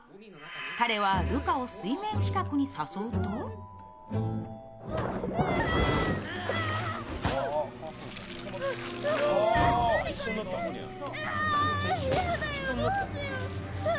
彼はルカを水面近くに誘うとうわ！